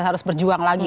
harus berjuang lagi